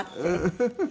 フフフ。